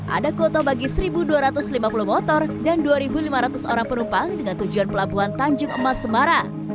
ada kuota bagi satu dua ratus lima puluh motor dan dua lima ratus orang penumpang dengan tujuan pelabuhan tanjung emas semarang